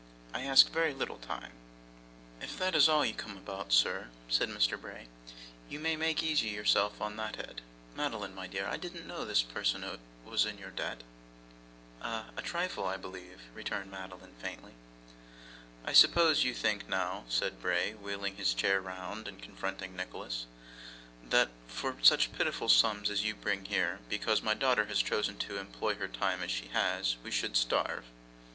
I ask a very little time.' 'If that is all you come about, sir,' said Mr. Bray, 'you may make yourself easy on that head. Madeline, my dear, I didn't know this person was in your debt?' 'A a trifle, I believe,' returned Madeline, faintly. 'I suppose you think now,' said Bray, wheeling his chair round and confronting Nicholas, 'that, but for such pitiful sums as you bring here, because my daughter has chosen to employ her time as she has, we should starve?